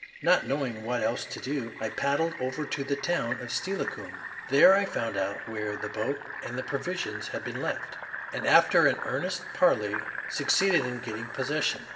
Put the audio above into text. Not knowing what else to do, I paddled over to the town of Steilacoom. There I found out where the boat and the provisions had been left, and after an earnest parley succeeded in getting possession.